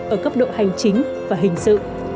ở cấp độ hành chính và hình sự